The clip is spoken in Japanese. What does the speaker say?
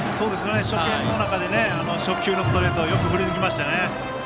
初見の中で初球のストレートをよく振り抜きましたよね。